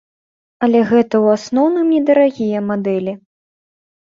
Але гэта ў асноўным недарагія мадэлі.